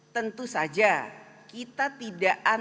tentu saja kita tidak akan